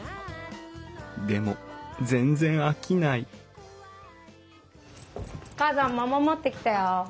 でも全然飽きないお母さん桃持ってきたよ。